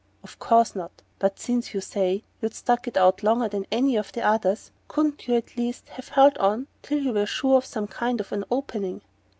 "Of course not. But since, as you say, you'd stuck it out longer than any of the others, couldn't you at least have held on till you were sure of some kind of an opening?"